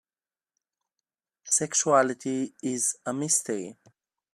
Sexuality is a mystery.